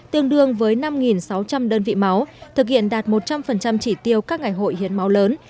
tương đương với năm sáu trăm linh đơn vị máu thực hiện đạt một trăm linh chỉ tiêu các ngày hội hiến máu lớn